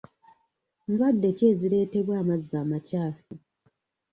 Ndwadde ki ezireetebwa amazzi amakyafu?